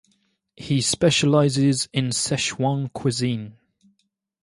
He specialises in Sichuan cuisine.